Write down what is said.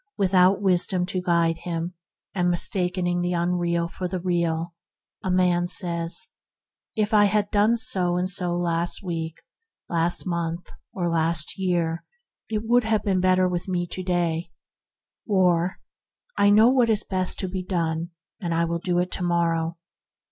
Without wisdom to guide him, mistaking the unreal for the real, a man says, "If I had done so and so last week, last month, or last year, it would have been better with me to day"; or, "I know what is best to be done, and I will do it to morrow."